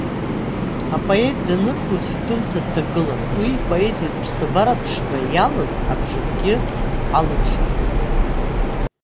Апоет даныргоз иҭәымҭа дҭагылан, уи ипоезиатә ԥсабара ԥшӡа иалаз абжакгьы алымшацызт.